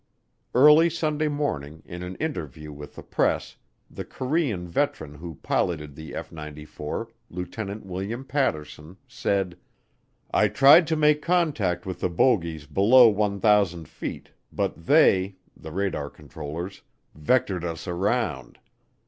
Early Sunday morning, in an interview with the press, the Korean veteran who piloted the F 94, Lieutenant William Patterson, said: I tried to make contact with the bogies below 1,000 feet, but they [the radar controllers] vectored us around.